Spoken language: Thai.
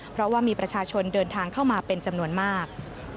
เพราะว่ามีประชาชนเดินทางเข้ามาเป็นจำนวนมาก